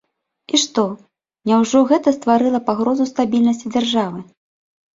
І што, няўжо гэта стварыла пагрозу стабільнасці дзяржавы?